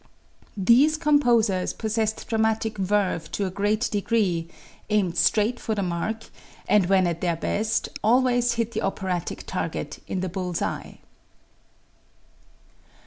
These composers possessed dramatic verve to a great degree, aimed straight for the mark, and when at their best always hit the operatic target in the bull's eye.